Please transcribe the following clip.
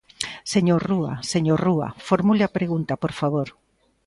Señor Rúa, señor Rúa, formule a pregunta, por favor.